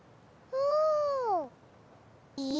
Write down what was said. うん。